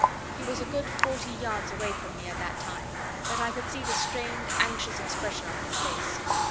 He was a good forty yards away from me at that time, but I could see the strained, anxious expression on his face.